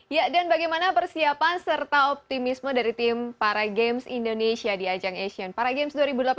ya dan bagaimana persiapan serta optimisme dari tim paragames indonesia di ajang asian paragames dua ribu delapan belas